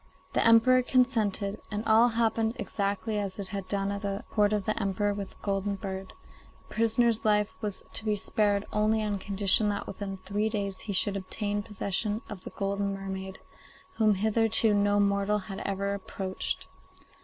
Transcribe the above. The Emperor consented, and all happened exactly as it had done at the court of the Emperor with the golden bird; the prisoner's life was to be spared only on condition that within three days he should obtain possession of the golden mermaid, whom hitherto no mortal had ever approached.